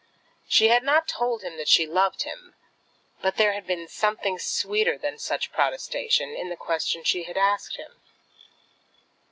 She had not told him that she loved him. But there had been something sweeter than such protestation in the question she had asked him.